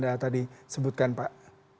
ada apa solusi yang anda tadi sebutkan pak